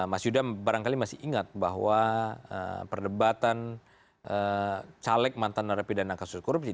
mas yudham barangkali masih ingat bahwa perdebatan caleg mantan rapi dana kasus korupsi